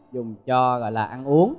dùng cho gọi là ăn uống